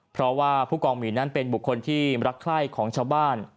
เพราะว่าผู้กองหมีนั้นเป็นบุคคลที่รักไข้ของชาวบ้าน